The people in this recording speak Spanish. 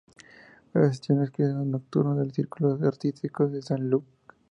Asistió a las clases nocturnas del Círculo Artístico de Sant Lluc.